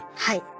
はい。